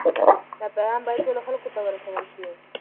دا پیغام باید ټولو خلکو ته ورسول شي.